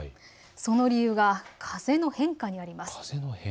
その理由が風の変化にあります。